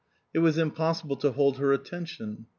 It was impossible to hold her attention.